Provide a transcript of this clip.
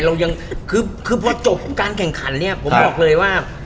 เรายังคือพอจบการแข่งขันเนี่ยผมบอกเลยว่า